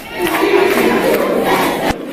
Anta i d-iheddṛen?